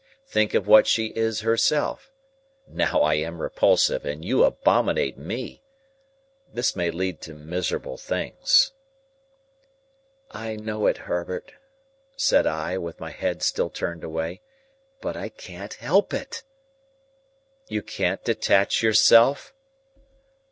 Think of what she is herself (now I am repulsive and you abominate me). This may lead to miserable things." "I know it, Herbert," said I, with my head still turned away, "but I can't help it." "You can't detach yourself?"